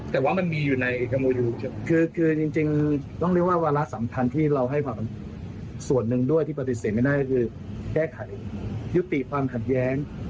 ทั้งที่เราให้ส่วนหนึ่งด้วยที่ปฏิเสธไม่ได้คือแก้ไขยุติความหัดแย้ง